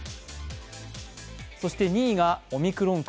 そして２位がオミクロン株。